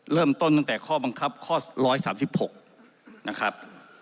เริ่มต้นตั้งแต่ข้อบังคับข้อ๑๓๖นะครับ